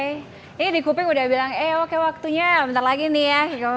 ini di kuping udah bilang eh oke waktunya bentar lagi nih ya